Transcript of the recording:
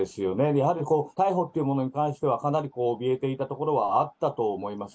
やはりこう、逮捕っていうものに関してはかなりおびえていたところはあったと思います。